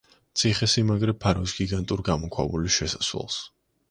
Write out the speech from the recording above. ციხესიმაგრე ფარავს გიგანტური გამოქვაბულის შესასვლელს.